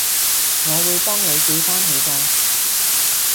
我會幫你記返起㗎